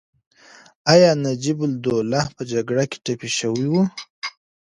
ایا نجیب الدوله په جګړه کې ټپي شوی و؟